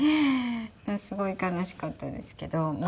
すごい悲しかったですけどま